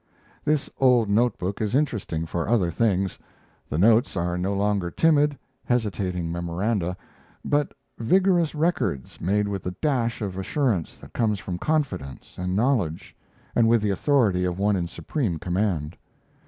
This old note book is interesting for other things. The notes are no longer timid, hesitating memoranda, but vigorous records made with the dash of assurance that comes from confidence and knowledge, and with the authority of one in supreme command.